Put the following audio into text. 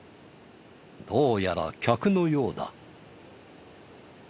どうやら客のようだ。